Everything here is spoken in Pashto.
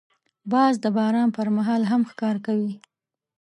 باز د باران پر مهال هم ښکار کوي